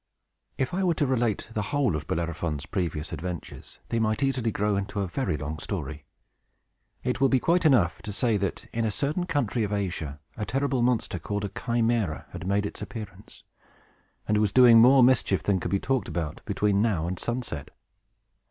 If I were to relate the whole of Bellerophon's previous adventures, they might easily grow into a very long story. It will be quite enough to say, that, in a certain country of Asia, a terrible monster, called a Chimæra, had made its appearance, and was doing more mischief than could be talked about between now and sunset.